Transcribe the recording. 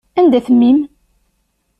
Anda-t mmi-m?